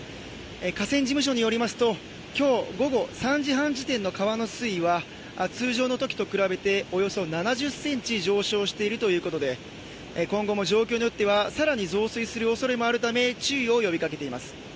河川事務所によりますと今日午後３時半時点での川の水位は、通常の時と比べておよそ７０ｃｍ上昇しているということで今後も状況によっては更に増水するおそれもあるため注意を呼びかけています。